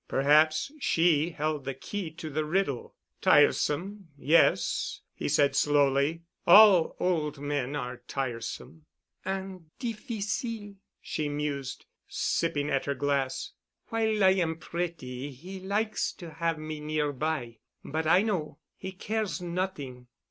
Perhaps she held the key to the riddle. "Tiresome, yes," he said slowly, "all old men are tiresome——" "And difficile," she mused, sipping at her glass. "While I am pretty he likes to have me nearby. But I know. He cares not'ing.